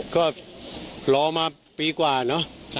ก็รอมาปีกว่าเนอะ